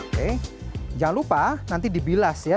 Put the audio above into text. oke jangan lupa nanti dibilas ya